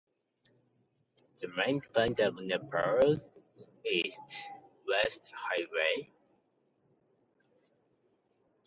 The midpoint of Nepal's east-west highway Mahendra Highway lies in this district.